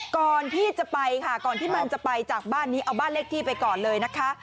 ก่อนที่จะไปค่ะก่อนที่มันจะไปจากบ้านนี้เอาบ้านเลขที่ไปก่อนเลยนะคะ